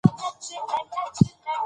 د ابريښم لار د افغانستان څخه تېرېدله.